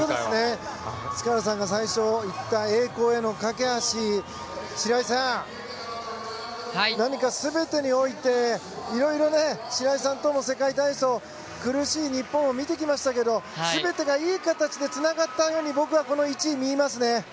塚原さんが最初言った栄光への架け橋白井さん、何か全てにおいていろいろ白井さんとも世界体操苦しい日本を見てきましたけども全てがいい形でつながったように僕はこの１位、見えますね。